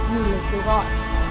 như được kêu gọi